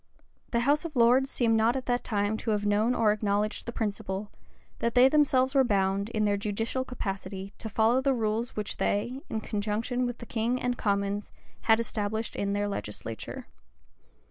The house of lords seem not at that time to have known or acknowledged the principle, that they themselves were bound, in their judicial capacity, to follow the rules which they, in conjunction with the king and commons, had established in their legislature.